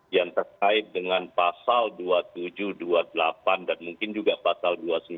yang terkait dengan pasal dua ribu tujuh ratus dua puluh delapan dan mungkin juga pasal dua ribu tujuh ratus dua puluh delapan